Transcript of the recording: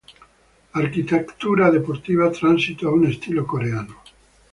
Arquitectura deportiva transitó a un estilo coreano.